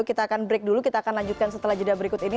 kita akan break dulu kita akan lanjutkan setelah jeda berikut ini